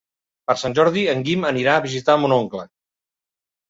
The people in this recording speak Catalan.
Per Sant Jordi en Guim anirà a visitar mon oncle.